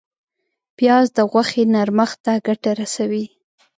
پیاز د غوښې نرمښت ته ګټه رسوي